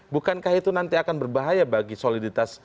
bukankah itu nanti akan berbahaya bagi soliditas